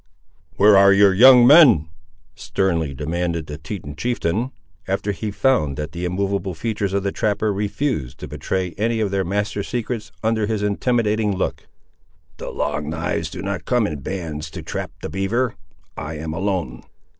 "Where are your young men?" sternly demanded the Teton chieftain, after he found that the immovable features of the trapper refused to betray any of their master's secrets, under his intimidating look. "The Long knives do not come in bands to trap the beaver? I am alone."